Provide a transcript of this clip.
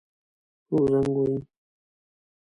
څوک زنګ وهي؟